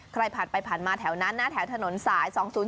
ใครผ่านไปผ่านมาแถวนั้นนะแถวถนนสาย๒๐๔